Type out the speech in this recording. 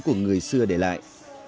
một người xưa để lại